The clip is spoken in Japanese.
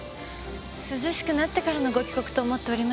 涼しくなってからのご帰国と思っておりました。